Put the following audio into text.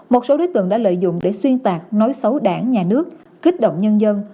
một số đối tượng đã lợi dụng để xuyên tạc nói xấu đảng nhà nước kích động nhân dân